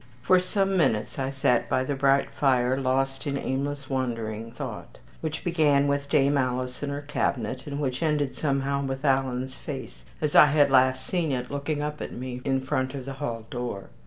For some minutes I sat by the bright fire, lost in aimless, wandering thought, which began with Dame Alice and her cabinet, and which ended somehow with Alan's face, as I had last seen it looking up at me in front of the hall door.